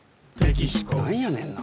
なんやねんな。